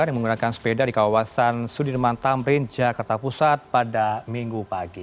dan menggunakan sepeda di kawasan sudirman tamrin jakarta pusat pada minggu pagi